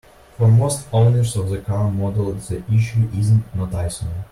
For most owners of the car model, the issue isn't noticeable.